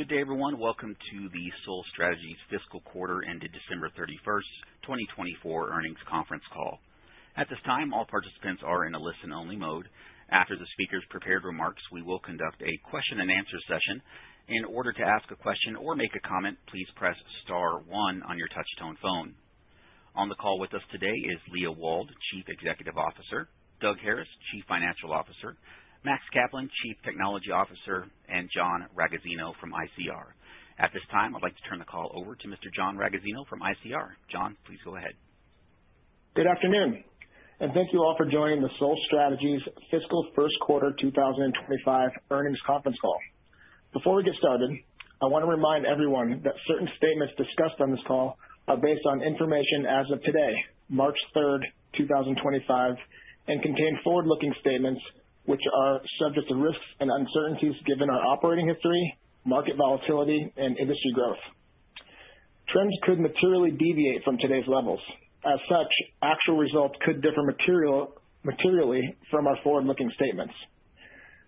Good day, everyone. Welcome to the Sol Strategies fiscal quarter ended December 31, 2024 earnings conference call. At this time, all participants are in a listen-only mode. After the speaker's prepared remarks, we will conduct a question-and-answer session. In order to ask a question or make a comment, please press star one on your touch-tone phone. On the call with us today is Leah Wald, Chief Executive Officer; Doug Harris, Chief Financial Officer; Max Kaplan, Chief Technology Officer; and John Ragazzino from ICR. At this time, I'd like to turn the call over to Mr. John Ragazzino from ICR. John, please go ahead. Good afternoon, and thank you all for joining the Sol Strategies Fiscal First Quarter 2025 Earnings Conference Call. Before we get started, I want to remind everyone that certain statements discussed on this call are based on information as of today, March 3rd, 2025, and contain forward-looking statements which are subject to risks and uncertainties given our operating history, market volatility, and industry growth. Trends could materially deviate from today's levels. As such, actual results could differ materially from our forward-looking statements.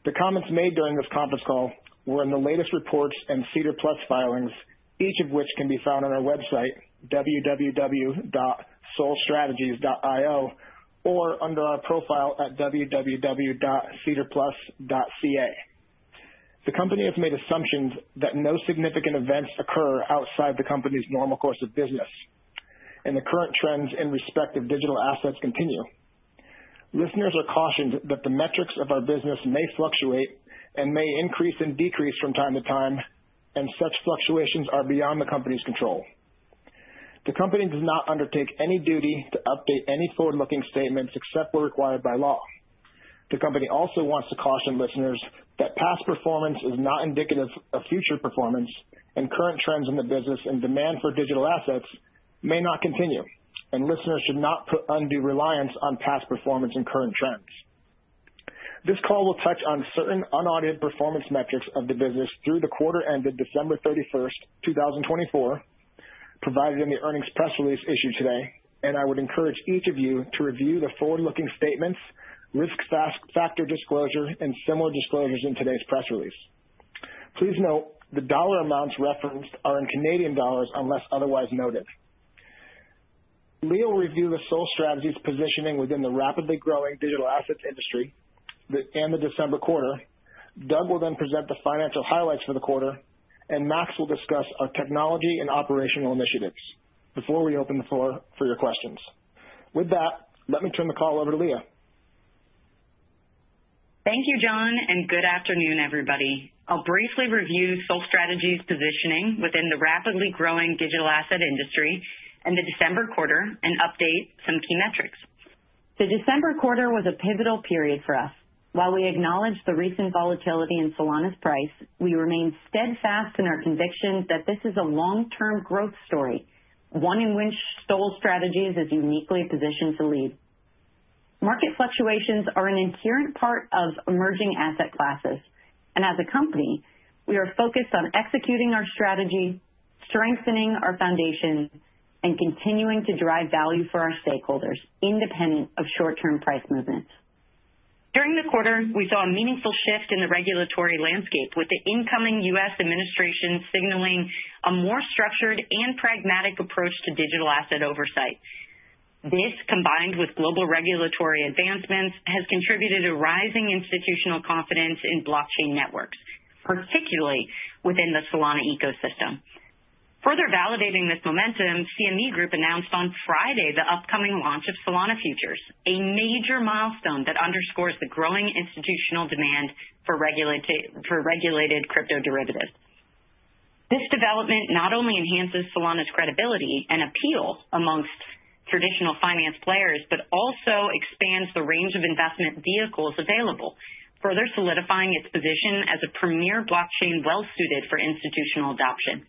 The comments made during this conference call were in the latest reports and SEDAR+ filings, each of which can be found on our website, www.solstrategies.io, or under our profile at www.sedarplus.ca. The company has made assumptions that no significant events occur outside the company's normal course of business, and the current trends in respect of digital assets continue. Listeners are cautioned that the metrics of our business may fluctuate and may increase and decrease from time to time, and such fluctuations are beyond the company's control. The company does not undertake any duty to update any forward-looking statements except where required by law. The company also wants to caution listeners that past performance is not indicative of future performance, and current trends in the business and demand for digital assets may not continue, and listeners should not put undue reliance on past performance and current trends. This call will touch on certain unaudited performance metrics of the business through the quarter ended December 31st, 2024, provided in the earnings press release issued today, and I would encourage each of you to review the forward-looking statements, risk factor disclosure, and similar disclosures in today's press release. Please note the dollar amounts referenced are in CAD unless otherwise noted. Leah will review the Sol Strategies positioning within the rapidly growing digital assets industry and the December quarter. Doug will then present the financial highlights for the quarter, and Max will discuss our technology and operational initiatives before we open the floor for your questions. With that, let me turn the call over to Leah. Thank you, John, and good afternoon, everybody. I'll briefly review Sol Strategies positioning within the rapidly growing digital asset industry and the December quarter and update some key metrics. The December quarter was a pivotal period for us. While we acknowledge the recent volatility in Solana's price, we remain steadfast in our conviction that this is a long-term growth story, one in which Sol Strategies is uniquely positioned to lead. Market fluctuations are an inherent part of emerging asset classes, and as a company, we are focused on executing our strategy, strengthening our foundation, and continuing to drive value for our stakeholders, independent of short-term price movements. During the quarter, we saw a meaningful shift in the regulatory landscape, with the incoming U.S. administration signaling a more structured and pragmatic approach to digital asset oversight. This, combined with global regulatory advancements, has contributed to rising institutional confidence in blockchain networks, particularly within the Solana ecosystem. Further validating this momentum, CME Group announced on Friday the upcoming launch of Solana Futures, a major milestone that underscores the growing institutional demand for regulated crypto derivatives. This development not only enhances Solana's credibility and appeal amongst traditional finance players but also expands the range of investment vehicles available, further solidifying its position as a premier blockchain well-suited for institutional adoption.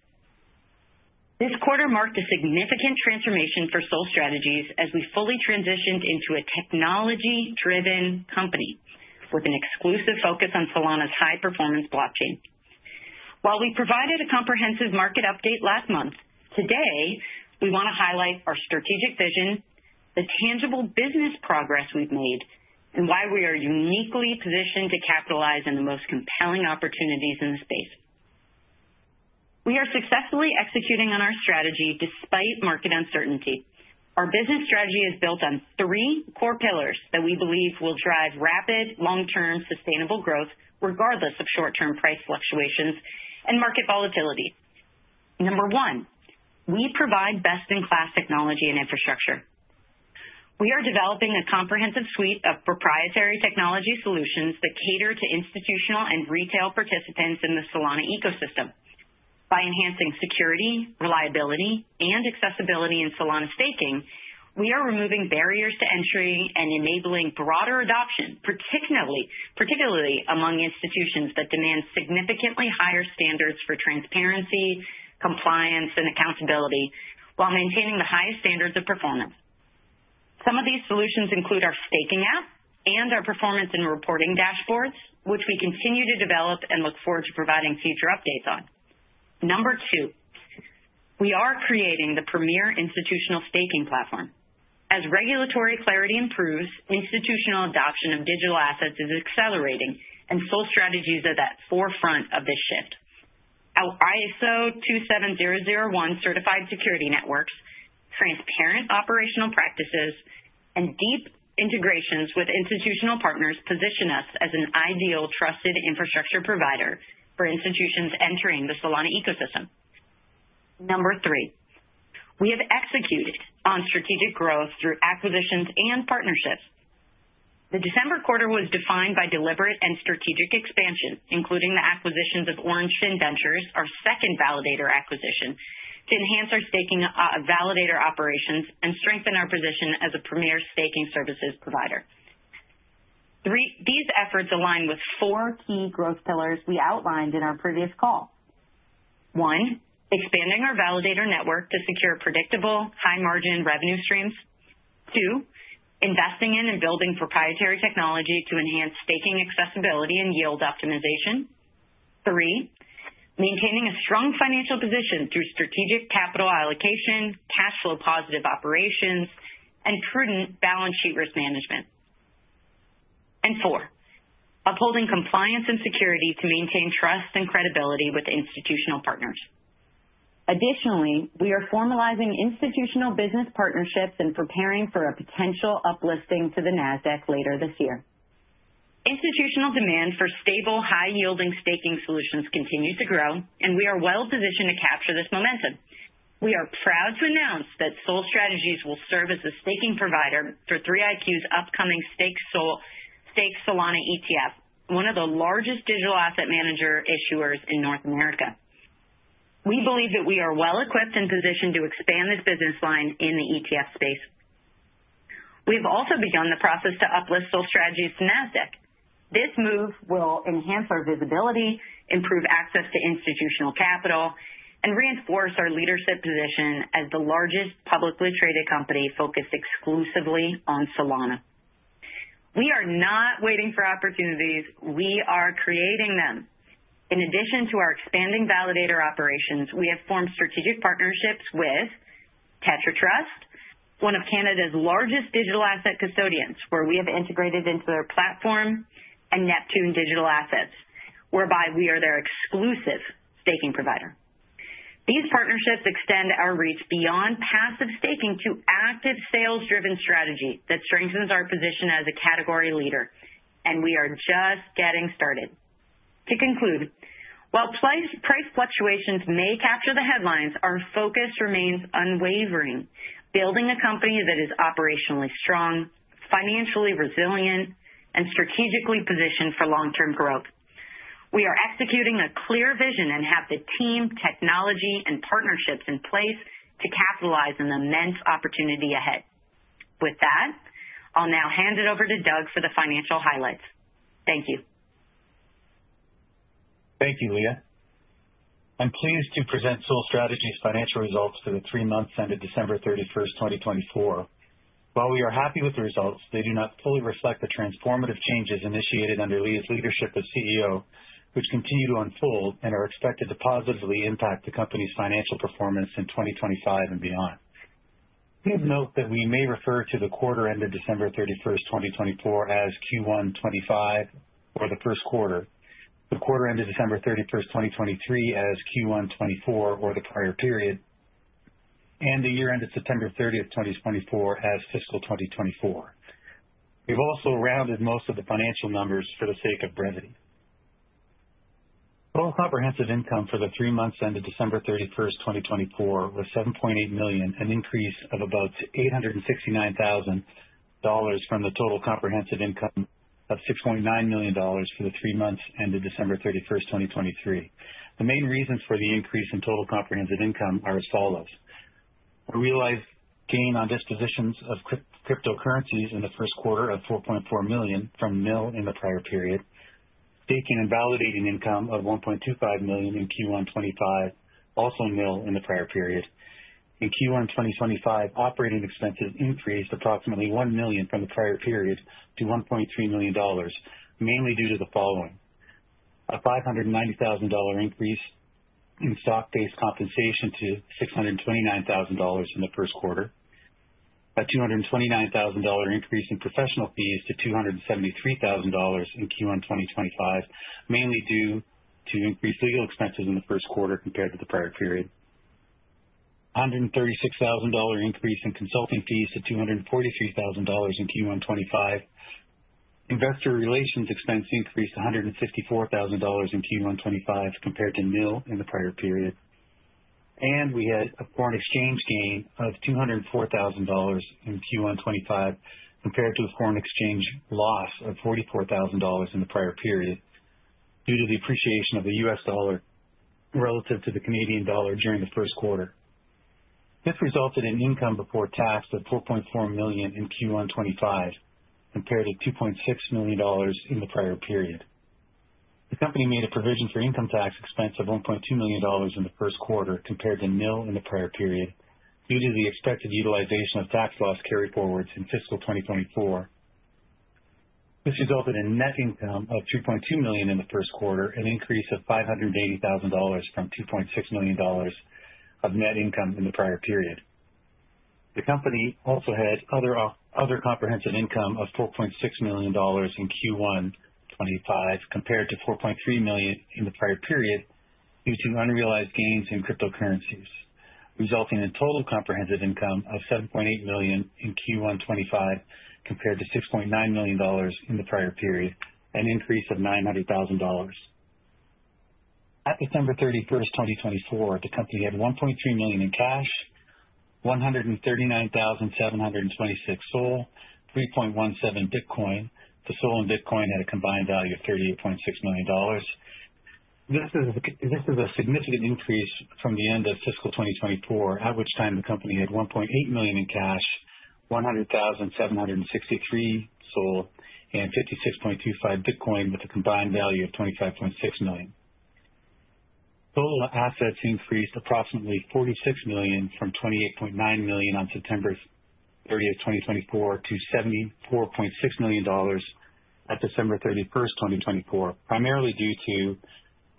This quarter marked a significant transformation for Sol Strategies as we fully transitioned into a technology-driven company with an exclusive focus on Solana's high-performance blockchain. While we provided a comprehensive market update last month, today we want to highlight our strategic vision, the tangible business progress we have made, and why we are uniquely positioned to capitalize on the most compelling opportunities in the space. We are successfully executing on our strategy despite market uncertainty. Our business strategy is built on three core pillars that we believe will drive rapid, long-term sustainable growth rega`rdless of short-term price fluctuations and market volatility. Number one, we provide best-in-class technology and infrastructure. We are developing a comprehensive suite of proprietary technology solutions that cater to institutional and retail participants in the Solana ecosystem. By enhancing security, reliability, and accessibility in Solana staking, we are removing barriers to entry and enabling broader adoption, particularly among institutions that demand significantly higher standards for transparency, compliance, and accountability while maintaining the highest standards of performance. Some of these solutions include our staking app and our performance and reporting dashboards, which we continue to develop and look forward to providing future updates on. Number two, we are creating the premier institutional staking platform. As regulatory clarity improves, institutional adoption of digital assets is accelerating, and Sol Strategies is at the forefront of this shift. Our ISO 27001 certified security networks, transparent operational practices, and deep integrations with institutional partners position us as an ideal, trusted infrastructure provider for institutions entering the Solana ecosystem. Number three, we have executed on strategic growth through acquisitions and partnerships. The December quarter was defined by deliberate and strategic expansion, including the acquisitions of Orangefin Ventures, our second validator acquisition, to enhance our staking validator operations and strengthen our position as a premier staking services provider. These efforts align with four key growth pillars we outlined in our previous call. One, expanding our validator network to secure predictable, high-margin revenue streams. Two, investing in and building proprietary technology to enhance staking accessibility and yield optimization. Three, maintaining a strong financial position through strategic capital allocation, cash flow-positive operations, and prudent balance sheet risk management. Four, upholding compliance and security to maintain trust and credibility with institutional partners. Additionally, we are formalizing institutional business partnerships and preparing for a potential uplisting to the Nasdaq later this year. Institutional demand for stable, high-yielding staking solutions continues to grow, and we are well-positioned to capture this momentum. We are proud to announce that Sol Strategies will serve as the staking provider for 3iQ's upcoming Stakes Solana ETF, one of the largest digital asset manager issuers in North America. We believe that we are well-equipped and positioned to expand this business line in the ETF space. We have also begun the process to uplist Sol Strategies to Nasdaq. This move will enhance our visibility, improve access to institutional capital, and reinforce our leadership position as the largest publicly traded company focused exclusively on Solana. We are not waiting for opportunities; we are creating them. In addition to our expanding validator operations, we have formed strategic partnerships with Tetra Trust, one of Canada's largest digital asset custodians, where we have integrated into their platform, and Neptune Digital Assets, whereby we are their exclusive staking provider. These partnerships extend our reach beyond passive staking to active sales-driven strategy that strengthens our position as a category leader, and we are just getting started. To conclude, while price fluctuations may capture the headlines, our focus remains unwavering, building a company that is operationally strong, financially resilient, and strategically positioned for long-term growth. We are executing a clear vision and have the team, technology, and partnerships in place to capitalize on the immense opportunity ahead. With that, I'll now hand it over to Doug for the financial highlights. Thank you. Thank you, Leah. I'm pleased to present Sol Strategies' financial results for the three months ended December 31st, 2024. While we are happy with the results, they do not fully reflect the transformative changes initiated under Leah's leadership as CEO, which continue to unfold and are expected to positively impact the company's financial performance in 2025 and beyond. Please note that we may refer to the quarter ended December 31st, 2024 as Q1 2025 or the first quarter, the quarter ended December 31st, 2023 as Q1 2024 or the prior period, and the year ended September 30th, 2024 as fiscal 2024. We've also rounded most of the financial numbers for the sake of brevity. Total comprehensive income for the three months ended December 31st, 2024 was $7.8 million, an increase of about $869,000 from the total comprehensive income of $6.9 million for the three months ended December 31st, 2023. The main reasons for the increase in total comprehensive income are as follows. We realized gain on dispositions of cryptocurrencies in the first quarter of $4.4 million from nil in the prior period, staking and validating income of $1.25 million in Q1 2025, also nil in the prior period. In Q1 2025, operating expenses increased approximately 1 million from the prior period to 1.3 million dollars, mainly due to the following: a 590,000 dollar increase in stock-based compensation to 629,000 dollars in the first quarter, a 229,000 dollar increase in professional fees to 273,000 dollars in Q1 2025, mainly due to increased legal expenses in the first quarter compared to the prior period, a 136,000 dollar increase in consulting fees to 243,000 dollars in Q1 2025, investor relations expense increased to 154,000 dollars in Q1 2025 compared to nil in the prior period, and we had a foreign exchange gain of 204,000 dollars in Q1 2025 compared to a foreign exchange loss of 44,000 dollars in the prior period due to the appreciation of the U.S. dollar relative to the Canadian dollar during the first quarter. This resulted in income before tax of 4.4 million in Q1 2025 compared to 2.6 million dollars in the prior period. The company made a provision for income tax expense of $1.2 million in the first quarter compared to nil in the prior period due to the expected utilization of tax loss carried forward in fiscal 2024. This resulted in net income of $2.2 million in the first quarter, an increase of $580,000 from $2.6 million of net income in the prior period. The company also had other comprehensive income of $4.6 million in Q1 2025 compared to $4.3 million in the prior period due to unrealized gains in cryptocurrencies, resulting in total comprehensive income of $7.8 million in Q1 2025 compared to $6.9 million in the prior period, an increase of $900,000. At December 31st, 2024, the company had 1.3 million in cash, 139,726 SOL, 3.17 Bitcoin. The SOL and Bitcoin had a combined value of 38.6 million dollars. This is a significant increase from the end of fiscal 2024, at which time the company had 1.8 million in cash, 100,763 SOL, and 56.25 Bitcoin with a combined value of 25.6 million. Total assets increased approximately 46 million from 28.9 million on September 30, 2024, to 74.6 million dollars at December 31, 2024, primarily due to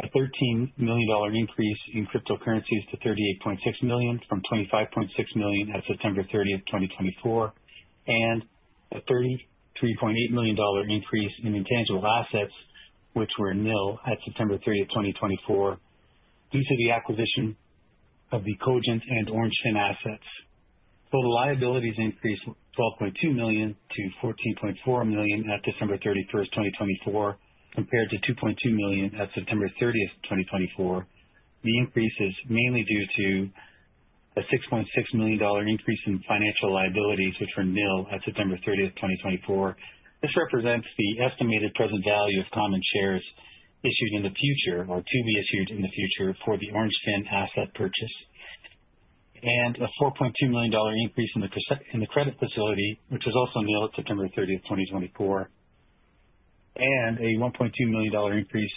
a 13 million dollar increase in cryptocurrencies to 38.6 million from 25.6 million at September 30, 2024, and a 33.8 million dollar increase in intangible assets, which were nil at September 30, 2024, due to the acquisition of the Cogent and Orangefin assets. Total liabilities increased 12.2 million-14.4 million at December 31, 2024, compared to 2.2 million at September 30, 2024. The increase is mainly due to a 6.6 million dollar increase in financial liabilities, which were nil at September 30, 2024. This represents the estimated present value of common shares issued in the future or to be issued in the future for the Orangefin asset purchase, and a 4.2 million dollar increase in the credit facility, which was also nil at September 30th, 2024, and a 1.2 million dollar increase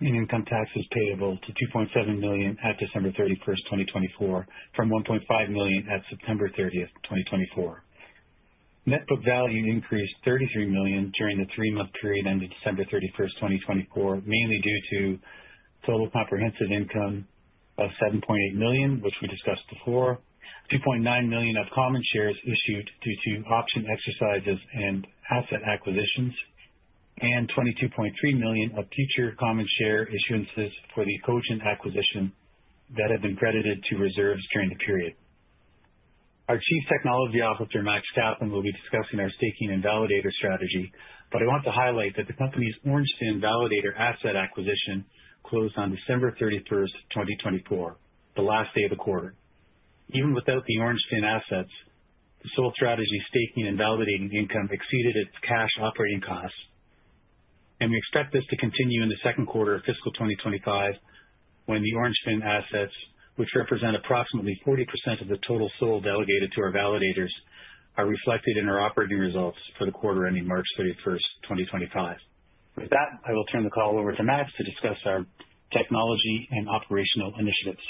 in income taxes payable to 2.7 million at December 31st, 2024, from 1.5 million at September 30th, 2024. Net book value increased 33 million during the three-month period ended December 31st, 2024, mainly due to total comprehensive income of 7.8 million, which we discussed before, 2.9 million of common shares issued due to option exercises and asset acquisitions, and 22.3 million of future common share issuances for the Cogent acquisition that have been credited to reserves during the period. Our Chief Technology Officer, Max Kaplan, will be discussing our staking and validator strategy, but I want to highlight that the company's Orangefin validator asset acquisition closed on December 31st, 2024, the last day of the quarter. Even without the Orangefin assets, the Sol Strategies' staking and validating income exceeded its cash operating costs, and we expect this to continue in the second quarter of fiscal 2025 when the Orangefin assets, which represent approximately 40% of the total SOL delegated to our validators, are reflected in our operating results for the quarter ending March 31, 2025. With that, I will turn the call over to Max to discuss our technology and operational initiatives.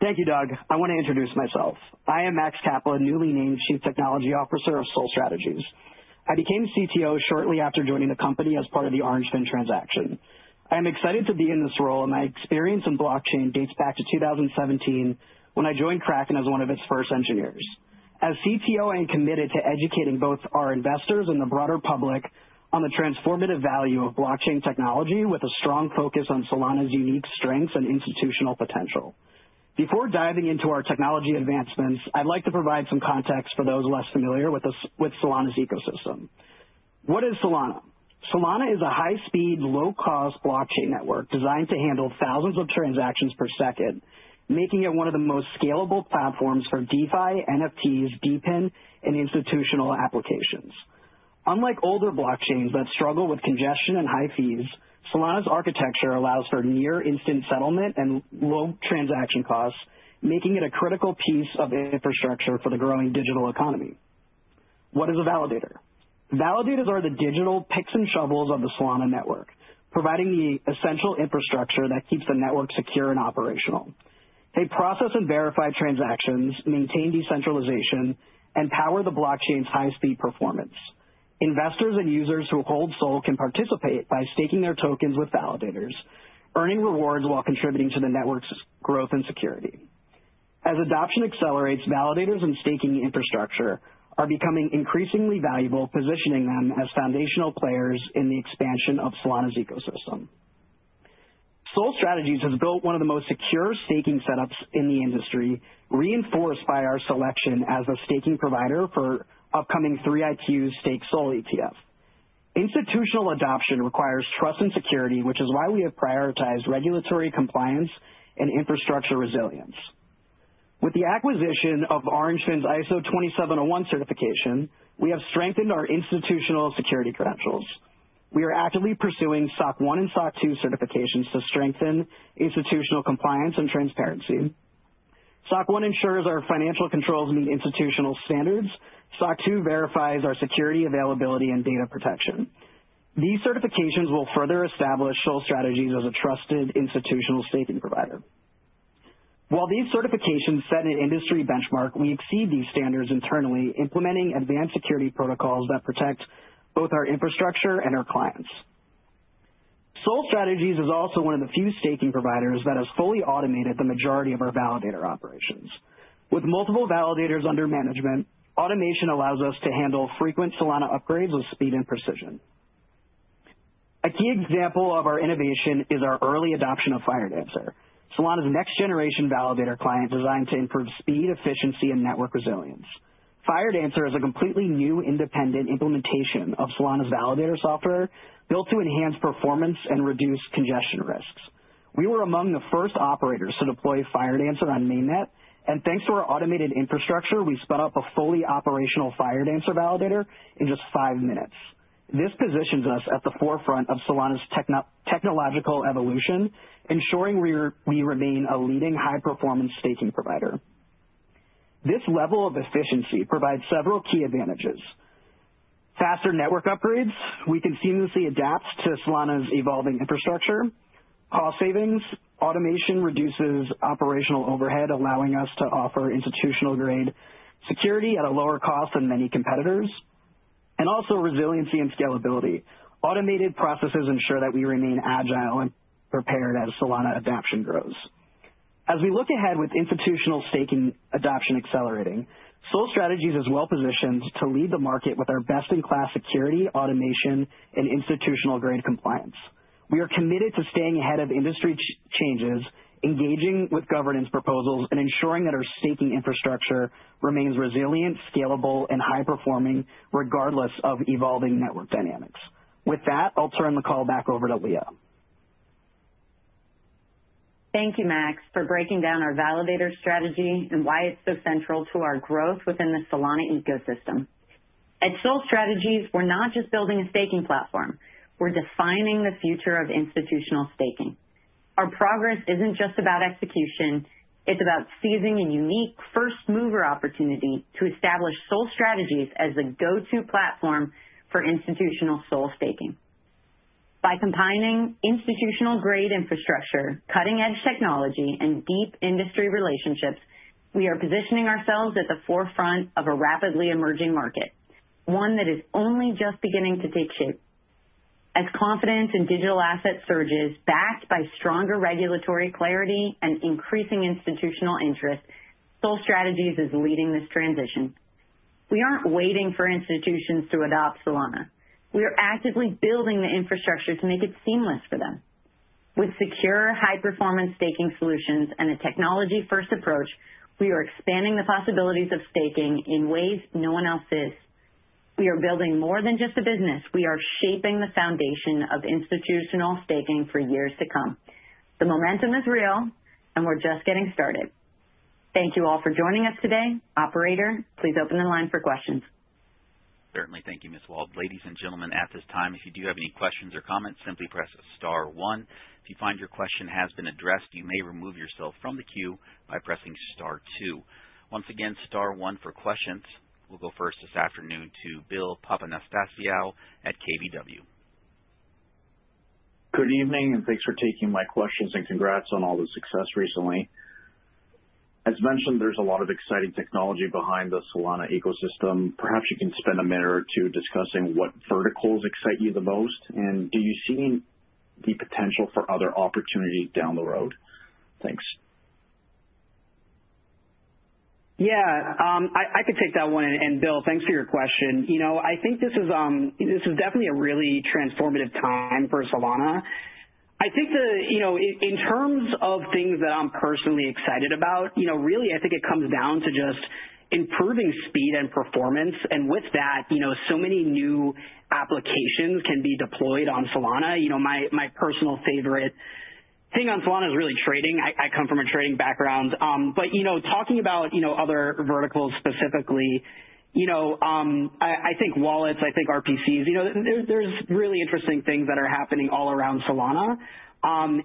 Thank you, Doug. I want to introduce myself. I am Max Kaplan, newly named Chief Technology Officer of Sol Strategies. I became CTO shortly after joining the company as part of the Orangefin transaction. I am excited to be in this role, and my experience in blockchain dates back to 2017 when I joined Kraken as one of its first engineers. As CTO, I am committed to educating both our investors and the broader public on the transformative value of blockchain technology with a strong focus on Solana's unique strengths and institutional potential. Before diving into our technology advancements, I'd like to provide some context for those less familiar with Solana's ecosystem. What is Solana? Solana is a high-speed, low-cost blockchain network designed to handle thousands of transactions per second, making it one of the most scalable platforms for DeFi, NFTs, DePIN, and institutional applications. Unlike older blockchains that struggle with congestion and high fees, Solana's architecture allows for near-instant settlement and low transaction costs, making it a critical piece of infrastructure for the growing digital economy. What is a validator? Validators are the digital picks and shovels of the Solana network, providing the essential infrastructure that keeps the network secure and operational. They process and verify transactions, maintain decentralization, and power the blockchain's high-speed performance. Investors and users who hold SOL can participate by staking their tokens with validators, earning rewards while contributing to the network's growth and security. As adoption accelerates, validators and staking infrastructure are becoming increasingly valuable, positioning them as foundational players in the expansion of Solana's ecosystem. Sol Strategies has built one of the most secure staking setups in the industry, reinforced by our selection as the staking provider for upcoming 3iQ's Stakes Solana ETF. Institutional adoption requires trust and security, which is why we have prioritized regulatory compliance and infrastructure resilience. With the acquisition of Orangefin's ISO 27001 certification, we have strengthened our institutional security credentials. We are actively pursuing SOC 1 and SOC 2 certifications to strengthen institutional compliance and transparency. SOC 1 ensures our financial controls meet institutional standards. SOC 2 verifies our security, availability, and data protection. These certifications will further establish Sol Strategies as a trusted institutional staking provider. While these certifications set an industry benchmark, we exceed these standards internally, implementing advanced security protocols that protect both our infrastructure and our clients. Sol Strategies is also one of the few staking providers that has fully automated the majority of our validator operations. With multiple validators under management, automation allows us to handle frequent Solana upgrades with speed and precision. A key example of our innovation is our early adoption of Firedancer, Solana's next-generation validator client designed to improve speed, efficiency, and network resilience. Firedancer is a completely new independent implementation of Solana's validator software built to enhance performance and reduce congestion risks. We were among the first operators to deploy Firedancer on mainnet, and thanks to our automated infrastructure, we spun up a fully operational Firedancer validator in just five minutes. This positions us at the forefront of Solana's technological evolution, ensuring we remain a leading high-performance staking provider. This level of efficiency provides several key advantages: faster network upgrades, we can seamlessly adapt to Solana's evolving infrastructure; cost savings, automation reduces operational overhead, allowing us to offer institutional-grade security at a lower cost than many competitors; and also resiliency and scalability. Automated processes ensure that we remain agile and prepared as Solana adoption grows. As we look ahead with institutional staking adoption accelerating, Sol Strategies is well-positioned to lead the market with our best-in-class security, automation, and institutional-grade compliance. We are committed to staying ahead of industry changes, engaging with governance proposals, and ensuring that our staking infrastructure remains resilient, scalable, and high-performing regardless of evolving network dynamics. With that, I'll turn the call back over to Leah. Thank you, Max, for breaking down our validator strategy and why it's so central to our growth within the Solana ecosystem. At Sol Strategies, we're not just building a staking platform; we're defining the future of institutional staking. Our progress isn't just about execution; it's about seizing a unique first-mover opportunity to establish Sol Strategies as the go-to platform for institutional SOL staking. By combining institutional-grade infrastructure, cutting-edge technology, and deep industry relationships, we are positioning ourselves at the forefront of a rapidly emerging market, one that is only just beginning to take shape. As confidence in digital assets surges, backed by stronger regulatory clarity and increasing institutional interest, Sol Strategies is leading this transition. We aren't waiting for institutions to adopt Solana; we are actively building the infrastructure to make it seamless for them. With secure, high-performance staking solutions and a technology-first approach, we are expanding the possibilities of staking in ways no one else is. We are building more than just a business; we are shaping the foundation of institutional staking for years to come. The momentum is real, and we're just getting started. Thank you all for joining us today. Operator, please open the line for questions. Certainly. Thank you, Ms. Wald. Ladies and gentlemen, at this time, if you do have any questions or comments, simply press star one. If you find your question has been addressed, you may remove yourself from the queue by pressing star two. Once again, star one for questions. We will go first this afternoon to Bill Papanastasiou at KBW. Good evening, and thanks for taking my questions and congrats on all the success recently. As mentioned, there's a lot of exciting technology behind the Solana ecosystem. Perhaps you can spend a minute or two discussing what verticals excite you the most, and do you see the potential for other opportunities down the road? Thanks. Yeah, I could take that one. Bill, thanks for your question. You know, I think this is definitely a really transformative time for Solana. I think in terms of things that I'm personally excited about, really, I think it comes down t`o just improving speed and performance. With that, so many new applications can be deployed on Solana. My personal favorite thing on Solana is really trading. I come from a trading background. Talking about other verticals specifically, I think wallets, I think RPCs, there are really interesting things that are happening all around Solana. I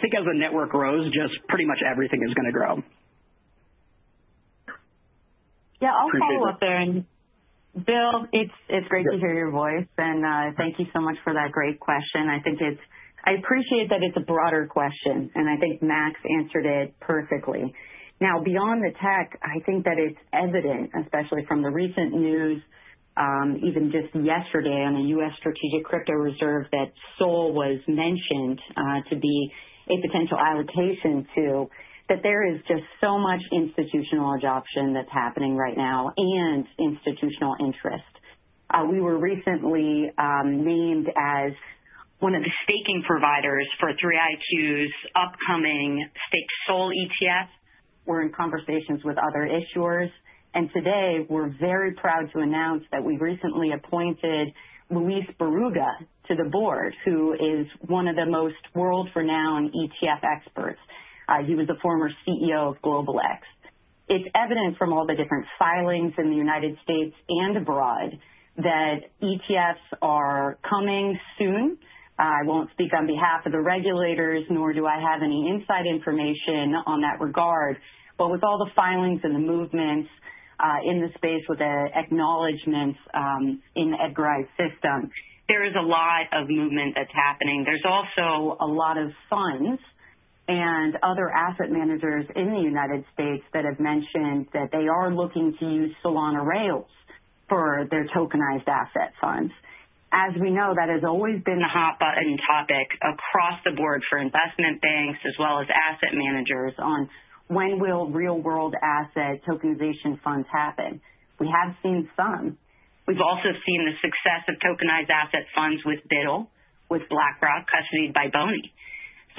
think as the network grows, just pretty much everything is going to grow. Yeah, I'll follow up there. Bill, it's great to hear your voice, and thank you so much for that great question. I appreciate that it's a broader question, and I think Max answered it perfectly. Now, beyond the tech, I think that it's evident, especially from the recent news, even just yesterday on the U.S. Strategic Crypto Reserve that SOL was mentioned to be a potential allocation to, that there is just so much institutional adoption that's happening right now and institutional interest. We were recently named as one of the staking providers for 3iQ's upcoming Stakes Solana ETF. We're in conversations with other issuers, and today we're very proud to announce that we recently appointed Luis Berruga to the board, who is one of the most world-renowned ETF experts. He was the former CEO of GlobalX. It's evident from all the different filings from the United States. and abroad that ETFs are coming soon. I won't speak on behalf of the regulators, nor do I have any inside information on that regard. With all the filings and the movements in the space with the acknowledgments in the EDGAR IV system, there is a lot of movement that's happening. There's also a lot of funds and other asset managers in the United States that have mentioned that they are looking to use Solana rails for their tokenized asset funds. As we know, that has always been the hot-button topic across the board for investment banks as well as asset managers on when will real-world asset tokenization funds happen. We have seen some. We've also seen the success of tokenized asset funds with BUIDL, with BlackRock custody by BNY Mellon.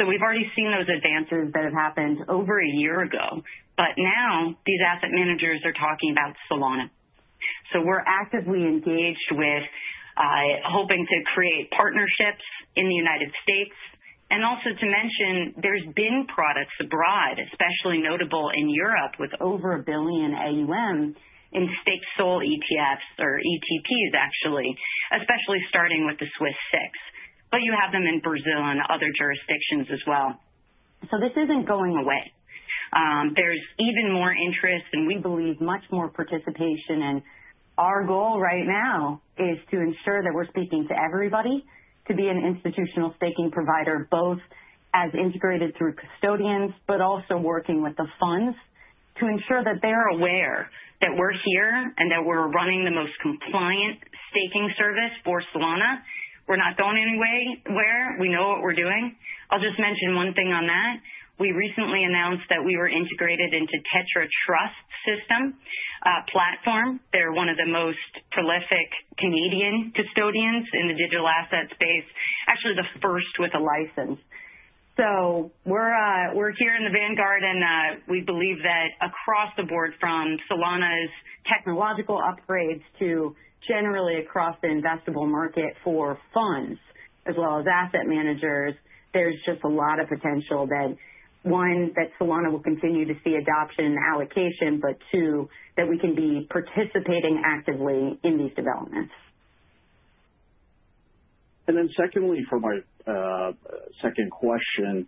We have already seen those advances that have happened over a year ago. Now these asset managers are talking about Solana. We are actively engaged with hoping to create partnerships in the United States Also to mention, there have been products abroad, especially notable in Europe with over $1 billion AUM in Stakes Solana ETFs or ETPs, actually, especially starting with the Swiss SIX. You have them in Brazil and other jurisdictions as well. This is not going away. There is even more interest, and we believe much more participation. Our goal right now is to ensure that we are speaking to everybody to be an institutional staking provider, both as integrated through custodians, but also working with the funds to ensure that they are aware that we are here and that we are running the most compliant staking service for Solana. We are not going anywhere. We know what we are doing. I'll just mention one thing on that. We recently announced that we were integrated into Tetra Trust's platform. They're one of the most prolific Canadian custodians in the digital asset space, actually the first with a license. We are here in the vanguard, and we believe that across the board from Solana's technological upgrades to generally across the investable market for funds as well as asset managers, there's just a lot of potential that, one, that Solana will continue to see adoption and allocation, but two, that we can be participating actively in these developments. For my second question,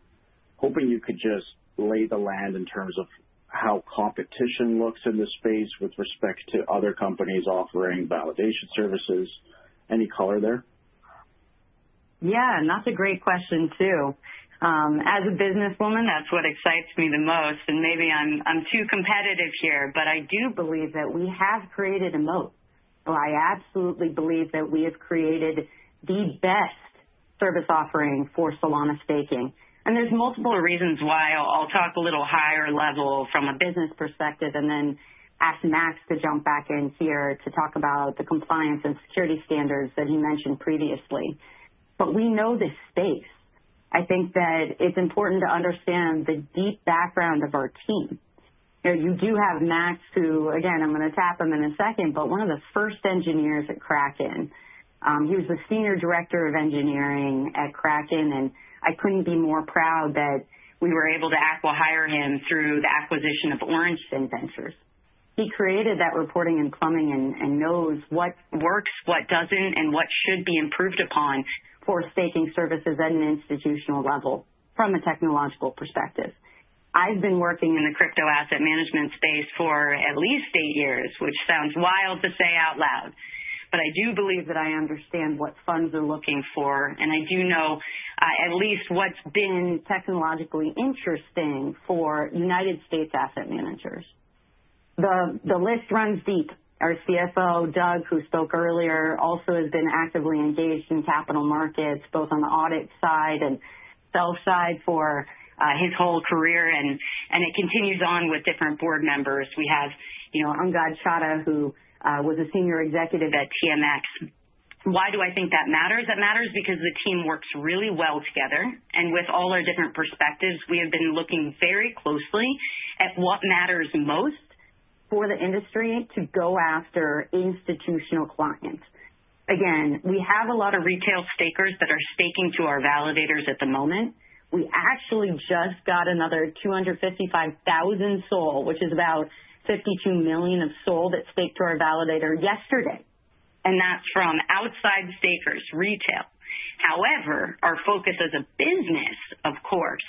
hoping you could just lay the land in terms of how competition looks in this space with respect to other companies offering validation services. Any color there? Yeah, and that's a great question too. As a businesswoman, that's what excites me the most. Maybe I'm too competitive here, but I do believe that we have created a moat. I absolutely believe that we have created the best service offering for Solana staking. There's multiple reasons why. I'll talk a little higher level from a business perspective and then ask Max to jump back in here to talk about the compliance and security standards that he mentioned previously. We know this space. I think that it's important to understand the deep background of our team. You do have Max, who, again, I'm going to tap him in a second, but one of the first engineers at Kraken. He was the Senior Director of Engineering at Kraken, and I could not be more proud that we were able to hire him through the acquisition of Orangefin Ventures. He created that reporting and plumbing and knows what works, what does not, and what should be improved upon for staking services at an institutional level from a technological perspective. I have been working in the crypto asset management space for at least eight years, which sounds wild to say out loud, but I do believe that I understand what funds are looking for, and I do know at least what has been technologically interesting for United States asset managers. The list runs deep. Our CFO, Doug, who spoke earlier, also has been actively engaged in capital markets, both on the audit side and sell side for his whole career, and it continues on with different board members. We have Ungad Chadda, who was a senior executive at TMX. Why do I think that matters? That matters because the team works really well together. With all our different perspectives, we have been looking very closely at what matters most for the industry to go after institutional clients. We have a lot of retail stakers that are staking to our validators at the moment. We actually just got another 255,000 SOL, which is about 52 million of SOL that staked to our validator yesterday, and that's from outside stakers, retail. However, our focus as a business, of course,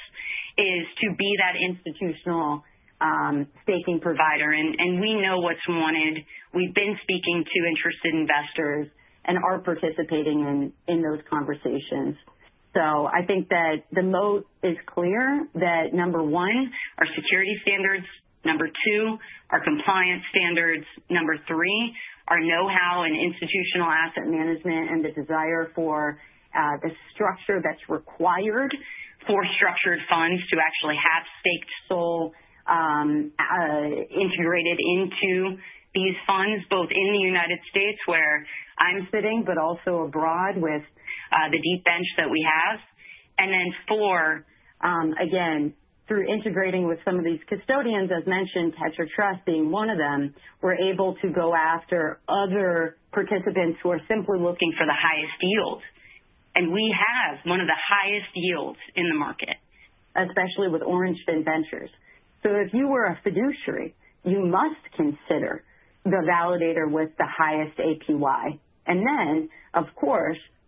is to be that institutional staking provider. We know what's wanted. We've been speaking to interested investors, and are participating in those conversations. I think that the moat is clear that, number one, our security standards. Number two, our compliance standards. Number three, our know-how in institutional asset management and the desire for the structure that's required for structured funds to actually have staked SOL integrated into these funds, both in the United States where I'm sitting, but also abroad with the deep bench that we have. Number four, again, through integrating with some of these custodians, as mentioned, Tetra Trust being one of them, we're able to go after other participants who are simply looking for the highest yield. We have one of the highest yields in the market, especially with Orangefin Ventures. If you were a fiduciary, you must consider the validator with the highest APY.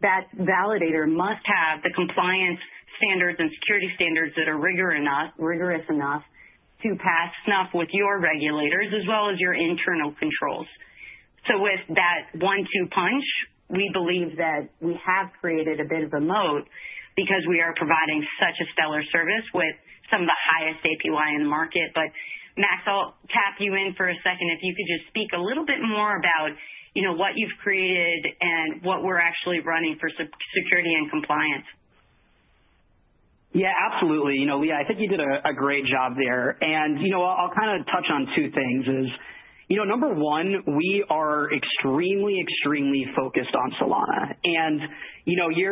That validator must have the compliance standards and security standards that are rigorous enough to pass snuff with your regulators as well as your internal controls. With that one-two punch, we believe that we have created a bit of a moat because we are providing such a stellar service with some of the highest APY in the market. Max, I'll tap you in for a second. If you could just speak a little bit more about what you've created and what we're actually running for security and compliance. Yeah, absolutely. Leah, I think you did a great job there. I'll kind of touch on two things. Number one, we are extremely, extremely focused on Solana.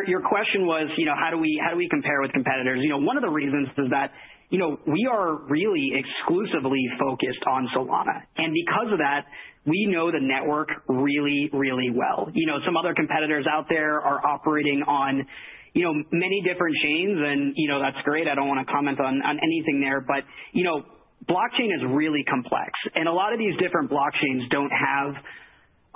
Your question was, how do we compare with competitors? One of the reasons is that we are really exclusively focused on Solana. Because of that, we know the network really, really well. Some other competitors out there are operating on many different chains, and that's great. I don't want to comment on anything there. Blockchain is really complex, and a lot of these different blockchains don't have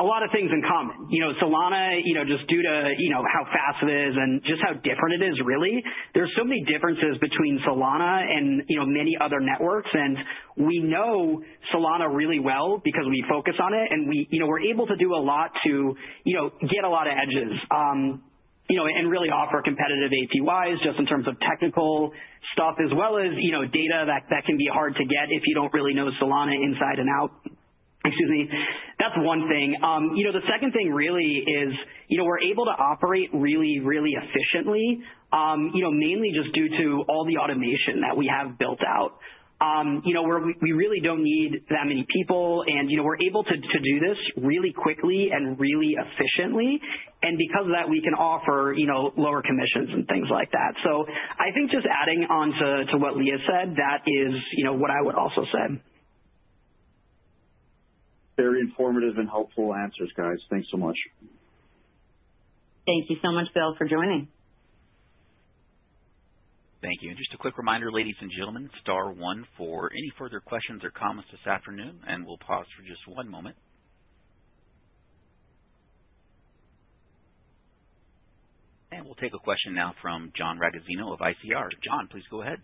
a lot of things in common. Solana, just due to how fast it is and just how different it is, really, there's so many differences between Solana and many other networks. We know Solana really well because we focus on it, and we're able to do a lot to get a lot of edges and really offer competitive APYs just in terms of technical stuff as well as data that can be hard to get if you do not really know Solana inside and out. Excuse me. That is one thing. The second thing really is we're able to operate really, really efficiently, mainly just due to all the automation that we have built out where we really do not need that many people, and we're able to do this really quickly and really efficiently. Because of that, we can offer lower commissions and things like that. I think just adding on to what Leah said, that is what I would also say. Very informative and helpful answers, guys. Thanks so much. Thank you so much, Bill, for joining. Thank you. Just a quick reminder, ladies and gentlemen, star one for any further questions or comments this afternoon, and we'll pause for just one moment. We'll take a question now from John Ragozzino of ICR. John, please go ahead.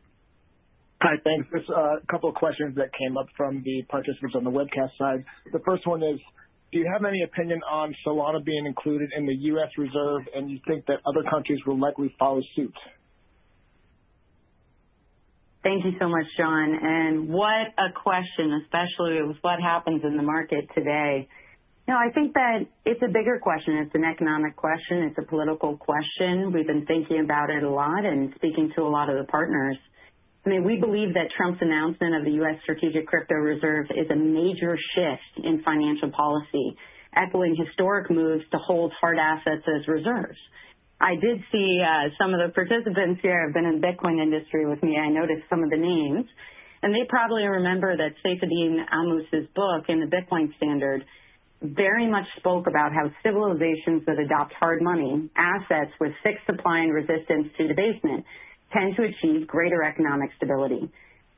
Hi, thanks. There's a couple of questions that came up from the participants on the webcast side. The first one is, do you have any opinion on Solana being included in the U.S. reserve, and you think that other countries will likely follow suit? Thank you so much, John. What a question, especially with what happens in the market today. I think that it's a bigger question. It's an economic question. It's a political question. We've been thinking about it a lot and speaking to a lot of the partners. I mean, we believe that Trump's announcement of the U.S. Strategic Crypto Reserve is a major shift in financial policy, echoing historic moves to hold hard assets as reserves. I did see some of the participants here have been in the Bitcoin industry with me. I noticed some of the names, and they probably remember that Saifedean Ammous's book in The Bitcoin Standard very much spoke about how civilizations that adopt hard money assets with fixed supply and resistance to debasement tend to achieve greater economic stability.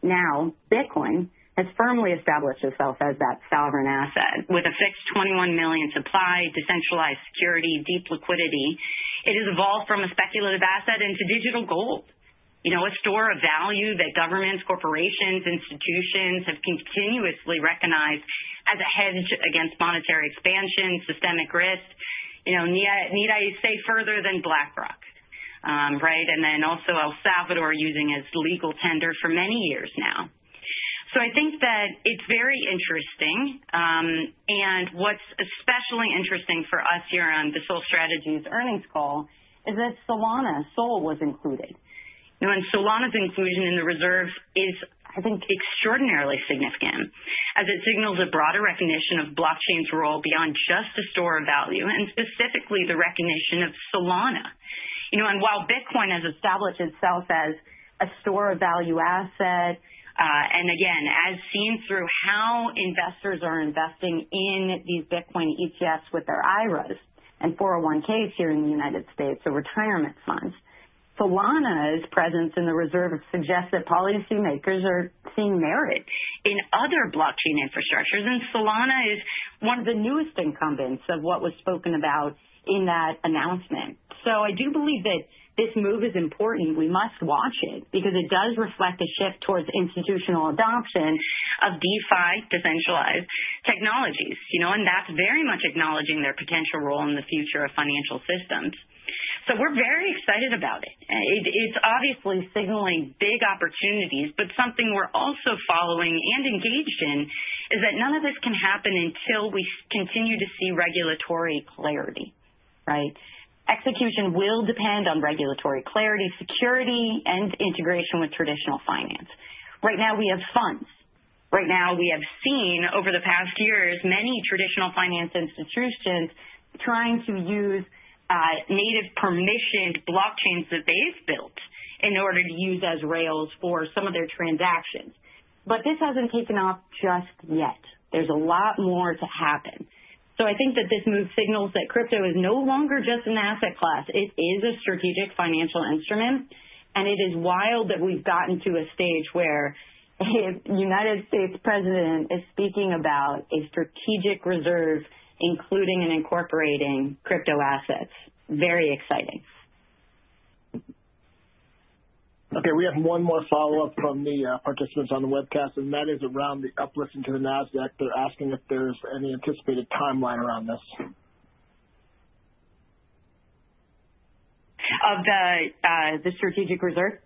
Now, Bitcoin has firmly established itself as that sovereign asset with a fixed 21 million supply, decentralized security, deep liquidity. It has evolved from a speculative asset into digital gold, a store of value that governments, corporations, institutions have continuously recognized as a hedge against monetary expansion, systemic risk. Need I say further than BlackRock? Also, El Salvador using it as legal tender for many years now. I think that it is very interesting. What is especially interesting for us here on the Sol Strategies earnings call is that Solana SOL was included. Solana's inclusion in the reserve is, I think, extraordinarily significant as it signals a broader recognition of blockchain's role beyond just a store of value and specifically the recognition of Solana. While Bitcoin has established itself as a store of value asset, and again, as seen through how investors are investing in these Bitcoin ETFs with their IRAs and 401(k)s here in the United States, so retirement funds, Solana's presence in the reserve suggests that policymakers are seeing merit in other blockchain infrastructures. Solana is one of the newest incumbents of what was spoken about in that announcement. I do believe that this move is important. We must watch it because it does reflect a shift towards institutional adoption of DeFi, decentralized technologies, and that is very much acknowledging their potential role in the future of financial systems. We are very excited about it. It is obviously signaling big opportunities, but something we are also following and engaged in is that none of this can happen until we continue to see regulatory clarity. Execution will depend on regulatory clarity, security, and integration with traditional finance. Right now, we have funds. Right now, we have seen over the past years many traditional finance institutions trying to use native permissioned blockchains that they've built in order to use as rails for some of their transactions. This hasn't taken off just yet. There's a lot more to happen. I think that this move signals that crypto is no longer just an asset class. It is a strategic financial instrument, and it is wild that we've gotten to a stage where the United States president is speaking about a strategic reserve including and incorporating crypto assets. Very exciting. Okay. We have one more follow-up from the participants on the webcast, and that is around the uplifting to the Nasdaq. They're asking if there's any anticipated timeline around this. Of the strategic reserve?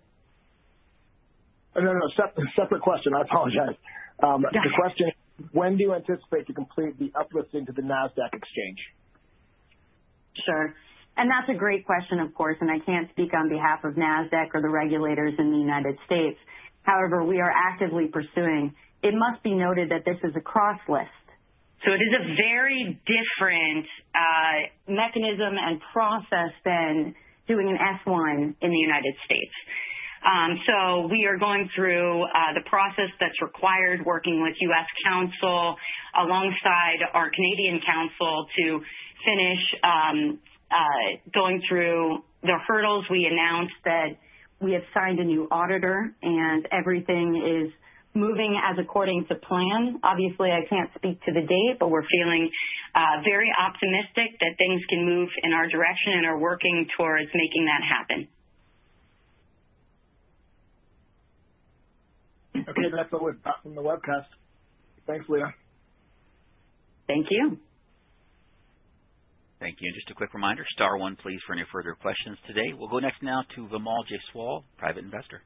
No, no, separate question. I apologize. The question is, when do you anticipate to complete the uplifting to the Nasdaq exchange? Sure. That is a great question, of course, and I can't speak on behalf of Nasdaq or the regulators in the United States. However, we are actively pursuing. It must be noted that this is a cross-list. It is a very different mechanism and process than doing an F1 in the United States. We are going through the process that is required, working with U.S. counsel alongside our Canadian counsel to finish going through the hurdles. We announced that we have signed a new auditor, and everything is moving according to plan. Obviously, I can't speak to the date, but we are feeling very optimistic that things can move in our direction and are working towards making that happen. Okay. That's all we've got from the webcast. Thanks, Leah. Thank you. Thank you. Just a quick reminder, star one please for any further questions today. We'll go next now to Vimal Jaiswal, private investor.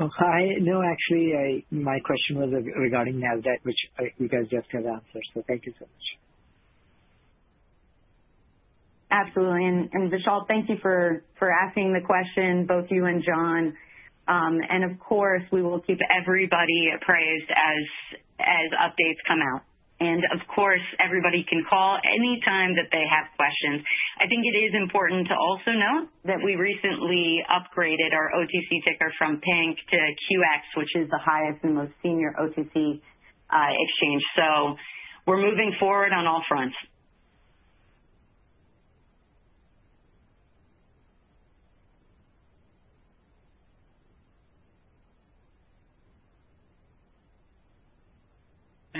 Oh, hi. No, actually, my question was regarding Nasdaq, which you guys just got answers. Thank you so much. Absolutely. Vishal, thank you for asking the question, both you and John. Of course, we will keep everybody appraised as updates come out. Of course, everybody can call anytime that they have questions. I think it is important to also note that we recently upgraded our OTC ticker from PANK to QX, which is the highest and most senior OTC exchange. We are moving forward on all fronts.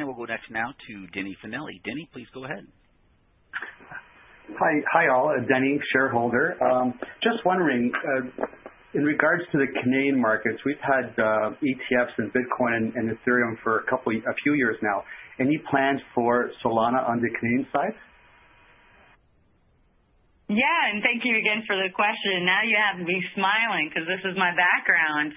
We will go next now to Denny Finelli. Denny, please go ahead. Hi, all. Denny, shareholder. Just wondering, in regards to the Canadian markets, we've had ETFs in Bitcoin and Ethereum for a few years now. Any plans for Solana on the Canadian side? Yeah. Thank you again for the question. Now you have me smiling because this is my background.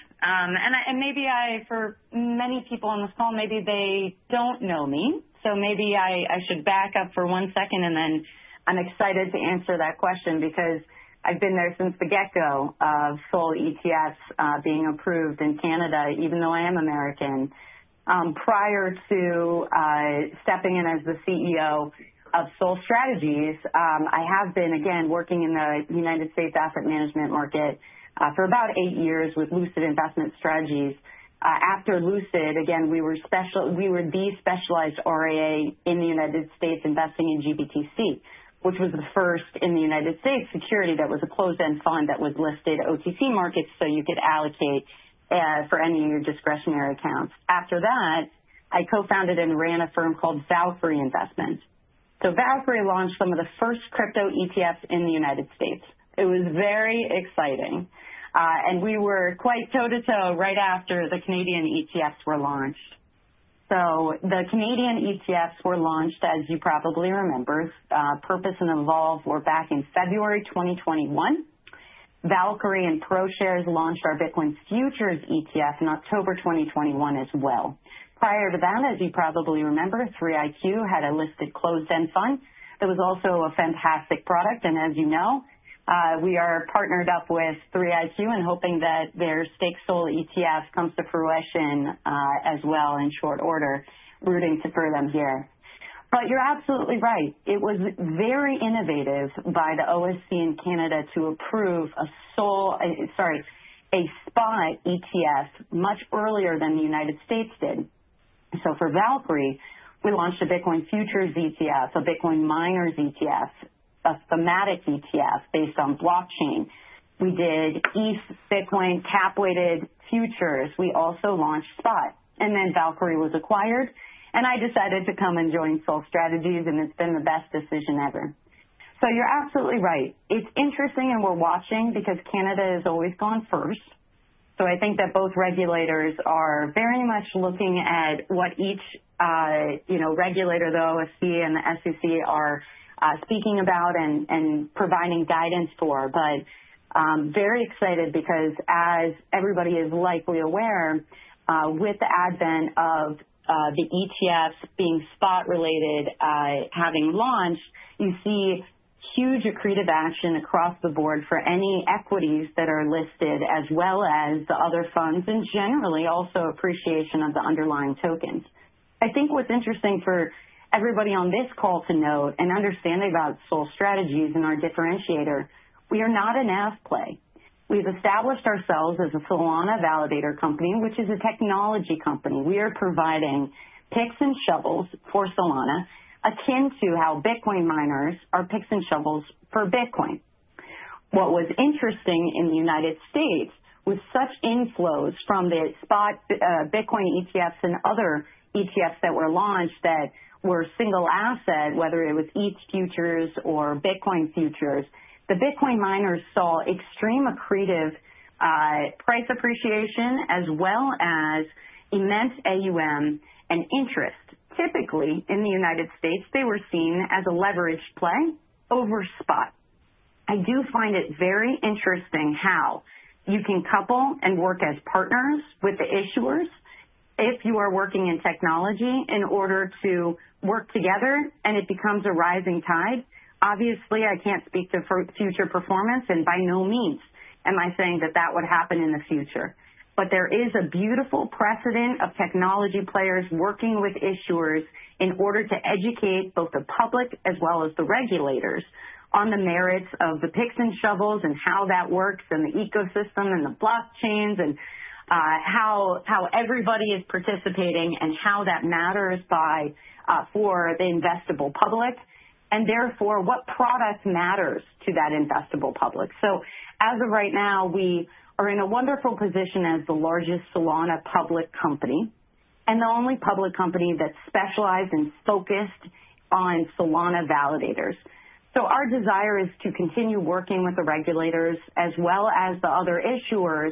Maybe for many people on this call, maybe they do not know me. Maybe I should back up for one second, and then I am excited to answer that question because I have been there since the get-go of SOL ETFs being approved in Canada, even though I am American. Prior to stepping in as the CEO of Sol Strategies, I have been, again, working in the United States asset management market for about eight years with Lucid Investment Strategies. After Lucid, again, we were the specialized RIA in the United States investing in GBTC, which was the first in the United States security that was a closed-end fund that was listed OTC markets so you could allocate for any of your discretionary accounts. After that, I co-founded and ran a firm called Valkyrie Investments. Valkyrie launched some of the first crypto ETFs in the United States. It was very exciting, and we were quite toe-to-toe right after the Canadian ETFs were launched. The Canadian ETFs were launched, as you probably remember, Purpose and Evolve were back in February 2021. Valkyrie and ProShares launched our Bitcoin Futures ETF in October 2021 as well. Prior to that, as you probably remember, 3iQ had a listed closed-end fund that was also a fantastic product. And as you know, we are partnered up with 3iQ and hoping that their Stakes SOL ETF comes to fruition as well in short order, rooting for them here. You're absolutely right. It was very innovative by the OSC in Canada to approve a SOL, sorry, a spot ETF much earlier than the United States did. For Valkyrie, we launched a Bitcoin Futures ETF, a Bitcoin Miners ETF, a thematic ETF based on blockchain. We did ETH, Bitcoin, cap-weighted futures. We also launched spot. Valkyrie was acquired, and I decided to come and join Sol Strategies, and it's been the best decision ever. You're absolutely right. It's interesting, and we're watching because Canada has always gone first. I think that both regulators are very much looking at what each regulator, the OSC and the SEC, are speaking about and providing guidance for. Very excited because, as everybody is likely aware, with the advent of the ETFs being spot-related, having launched, you see huge accretive action across the board for any equities that are listed as well as the other funds and generally also appreciation of the underlying tokens. I think what's interesting for everybody on this call to note and understanding about Sol Strategies and our differentiator, we are not an asset play. We've established ourselves as a Solana validator company, which is a technology company. We are providing picks and shovels for Solana akin to how Bitcoin miners are picks and shovels for Bitcoin. What was interesting in the United States. was such inflows from the spot Bitcoin ETFs and other ETFs that were launched that were single asset, whether it was ETH futures or Bitcoin futures. The Bitcoin miners saw extreme accretive price appreciation as well as immense AUM and interest. Typically, in the United States, they were seen as a leveraged play over spot. I do find it very interesting how you can couple and work as partners with the issuers if you are working in technology in order to work together, and it becomes a rising tide. Obviously, I can't speak to future performance, and by no means am I saying that that would happen in the future. There is a beautiful precedent of technology players working with issuers in order to educate both the public as well as the regulators on the merits of the picks and shovels and how that works and the ecosystem and the blockchains and how everybody is participating and how that matters for the investable public and therefore what product matters to that investable public. As of right now, we are in a wonderful position as the largest Solana public company and the only public company that's specialized and focused on Solana validators. Our desire is to continue working with the regulators as well as the other issuers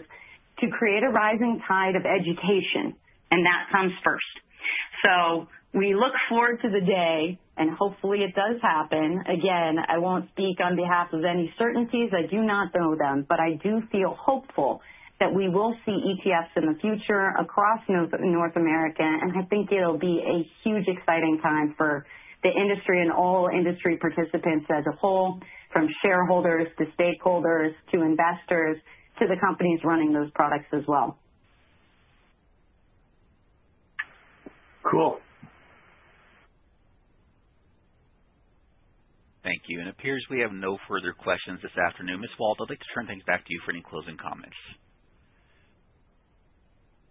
to create a rising tide of education, and that comes first. We look forward to the day, and hopefully it does happen. Again, I won't speak on behalf of any certainties. I do not know them, but I do feel hopeful that we will see ETFs in the future across North America, and I think it'll be a huge exciting time for the industry and all industry participants as a whole, from shareholders to stakeholders to investors to the companies running those products as well. Cool. Thank you. It appears we have no further questions this afternoon. Ms. Wald, I'd like to turn things back to you for any closing comments.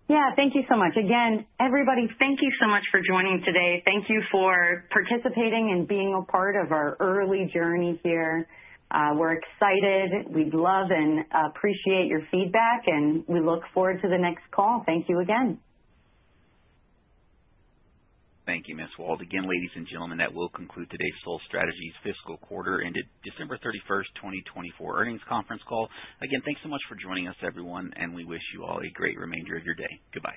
Yeah. Thank you so much. Again, everybody, thank you so much for joining today. Thank you for participating and being a part of our early journey here. We're excited. We'd love and appreciate your feedback, and we look forward to the next call. Thank you again. Thank you, Ms. Wald. Again, ladies and gentlemen, that will conclude today's Sol Strategies fiscal quarter ended December 31st, 2024 earnings conference call. Again, thanks so much for joining us, everyone, and we wish you all a great remainder of your day. Goodbye.